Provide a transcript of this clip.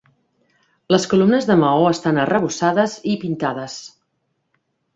Les columnes de maó estan arrebossades i pintades.